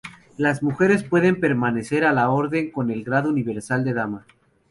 Las mujeres pueden pertenecer a la Orden con el grado universal de Dama.